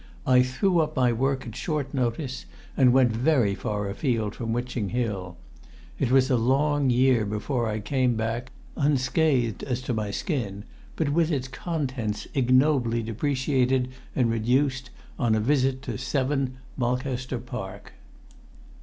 I threw up my work at short notice, and went very far afield from Witching Hill. It was a long year before I came back, unscathed as to my skin, but with its contents ignobly depreciated and reduced, on a visit to 7, Mulcaster Park.